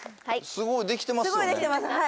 すごいできてます。